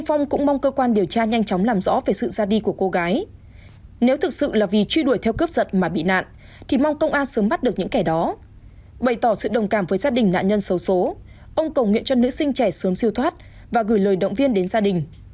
ông cầu nguyện cho nữ sinh trẻ sớm siêu thoát và gửi lời động viên đến gia đình